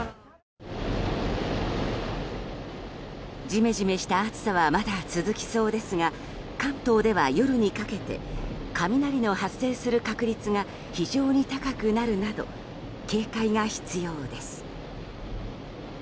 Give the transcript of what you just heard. ジメジメした暑さはまだ続きそうですが関東では夜にかけて雷の発生する確率が非常に高くなるなど警戒が必要です。